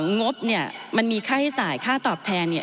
งบมันมีค่าให้จ่ายค่าตอบแทน